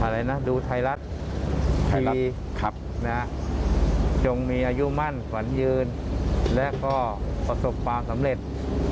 นี่ดูไทยรัฐครับจงมีอายุมั่นฝั่นยืนแล้วก็ประสบฟังสำเร็จ